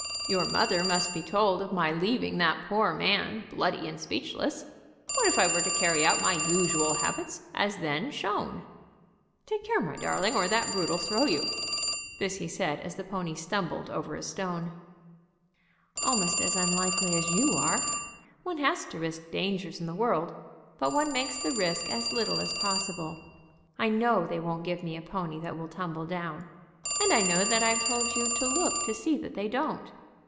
Your mother must be told of my leaving that poor man bloody and speechless. What if I were to carry out my usual habits as then shown? Take care, my darling, or that brute'll throw you!" This he said as the pony stumbled over a stone. "Almost as unlikely as you are. One has to risk dangers in the world, but one makes the risk as little as possible. I know they won't give me a pony that will tumble down; and I know that I've told you to look to see that they don't.